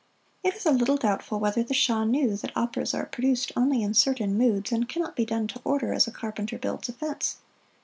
It is a little doubtful whether the Shah knew that operas are produced only in certain moods and can not be done to order as a carpenter builds a fence.